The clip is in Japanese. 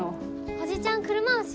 おじちゃん車押し？